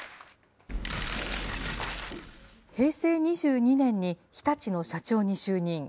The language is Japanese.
平成２２年に日立の社長に就任。